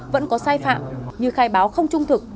vẫn có sai phạm như khai báo không trung thực